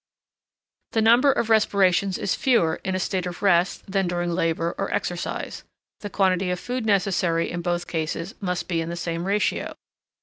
The number of respirations is fewer in a state of rest than during labour or exercise: the quantity of food necessary in both cases must be in the same ratio.